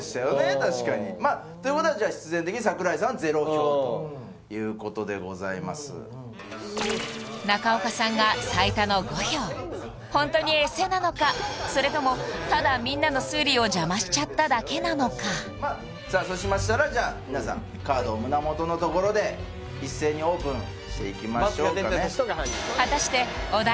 確かにまあっていうことは必然的に櫻井さんはゼロ票ということでございます中岡さんが最多の５票本当にエセなのかそれともただみんなの推理を邪魔しちゃっただけなのかさあそうしましたらじゃあ皆さんカードを胸元のところで一斉にオープンしていきましょうかね